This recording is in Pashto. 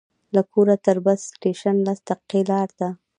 له کوره تر بس سټېشن لس دقیقې لاره ده.